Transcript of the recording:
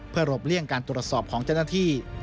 เพื่อหลบเลี่ยงการตรวจสอบของเจ้าหน้าที่